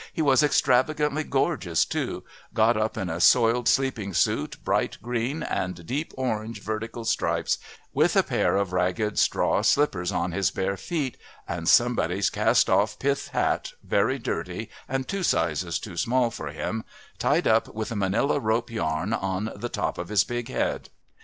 He was extravagantly gorgeous too got up in a soiled sleeping suit, bright green and deep orange vertical stripes, with a pair of ragged straw slippers on his bare feet, and somebody's cast off pith hat, very dirty and two sizes too small for him, tied up with a manilla rope yarn on the top of his big head."